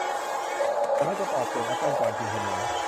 ฉันมักจะปอกเปลือกแอปเปิ้ลก่อนกินเสมอ